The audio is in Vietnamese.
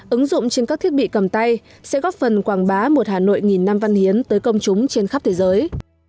ứng dụng trên các thiết bị cầm tay sẽ góp phần quảng bá một hà nội nghìn năm văn hiến tới công chúng trên khắp thế giới